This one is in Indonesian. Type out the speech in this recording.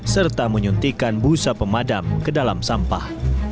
serta menyuntikkan busa pemadam ke dalam sampah